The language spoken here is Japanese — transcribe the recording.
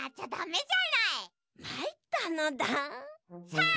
さあ！